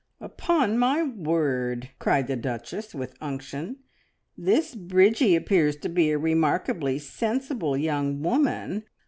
"Upon my word," cried the Duchess with unction, "this Bridgie appears to be a remarkably sensible young woman!